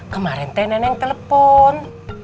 kemarin tenen yang telepon